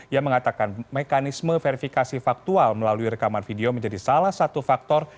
yang mengatakan mekanisme verifikasi faktual melalui rekaman video menjadi salah satu faktor